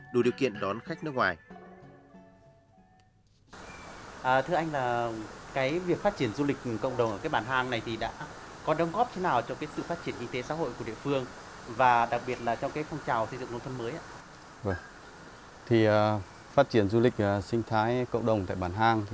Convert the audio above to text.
đủ điều kiện đón khách nước ngoài